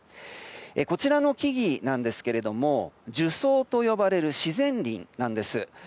こちらの木々なんですが樹叢と呼ばれる自然林なんです。